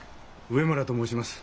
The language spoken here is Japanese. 上村と申します。